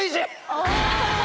ああ。